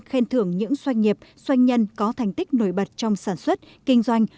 khen thưởng những doanh nghiệp doanh nhân có thành tích nổi bật trong sản xuất kinh doanh